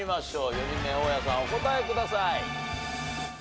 ４人目大家さんお答えください。